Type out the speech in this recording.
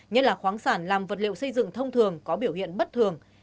nhất là khoáng sản làm vật liệu xây dựng thông thường có biểu hiện bất thường